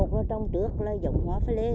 vườn một trồng trước là giống hoa pha lê